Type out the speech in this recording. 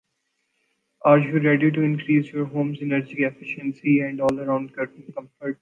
Are you ready to increase your home's energy efficiency and all-around comfort?